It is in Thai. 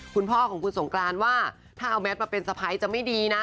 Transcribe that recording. คุณพ่อของคุณสงกรานว่าถ้าเอาแมทมาเป็นสะพ้ายจะไม่ดีนะ